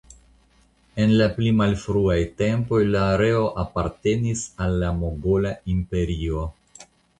En la pli malfruaj tempoj la areo apartenis al la Mogola Imperio.